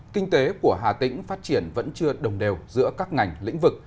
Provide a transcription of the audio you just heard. kinh tế của hà tĩnh phát triển vẫn chưa đồng đều giữa các ngành lĩnh vực